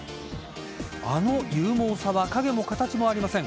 あの勇猛さは影も形もありません。